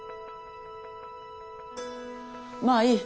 まあいい。